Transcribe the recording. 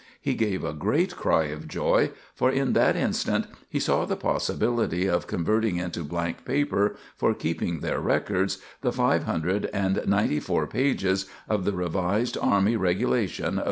He gave a great cry of joy; for in that instant he saw the possibility of converting into blank paper, for keeping their records, the five hundred and ninety four pages of the Revised Army Regulations of 1863.